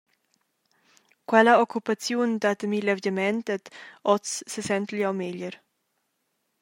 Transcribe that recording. Quella occupaziun dat a mi levgiament ed oz sesentel jeu meglier.»